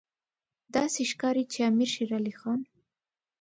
داسې ښکاري چې امیر شېر علي خان.